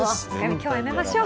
今日はやめましょう。